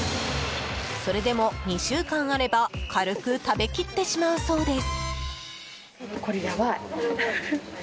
それでも２週間あれば軽く食べきってしまうそうです。